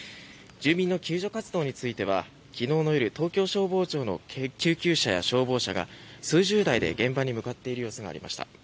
住民の救助活動については昨日の夜東京消防署の救急車などが数十台で現場に向かっている様子がありました。